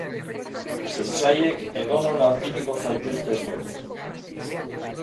Etsaiek edonon aurkituko zaituzte zu.